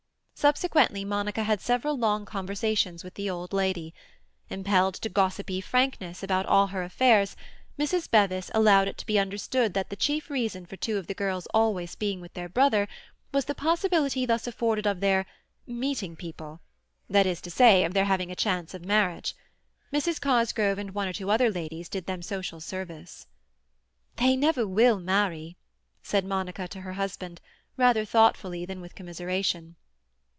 Subsequently, Monica had several long conversations with the old lady. Impelled to gossipy frankness about all her affairs, Mrs. Bevis allowed it to be understood that the chief reason for two of the girls always being with their brother was the possibility thus afforded of their "meeting people"—that is to say, of their having a chance of marriage. Mrs. Cosgrove and one or two other ladies did them social service. "They never will marry!" said Monica to her husband, rather thoughtfully than with commiseration.